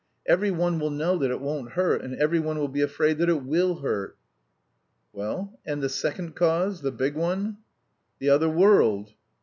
Every one will know that it won't hurt, and every one will be afraid that it will hurt." "Well, and the second cause, the big one?" "The other world!"